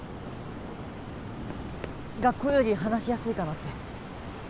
学校より話しやすいかなって